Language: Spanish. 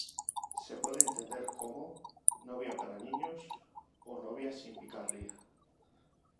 Se puede entender como "Novia para niños" o "novia sin picardía".